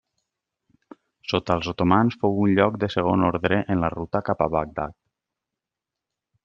Sota els otomans fou un lloc de segon ordre en la ruta cap a Bagdad.